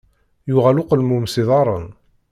Yuɣal uqelmun s iḍaren.